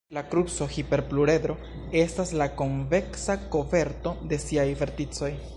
La kruco-hiperpluredro estas la konveksa koverto de siaj verticoj.